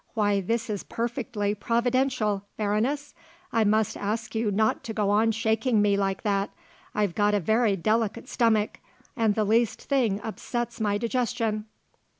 Why this is perfectly providential. Baroness I must ask you not to go on shaking me like that. I've got a very delicate stomach and the least thing upsets my digestion."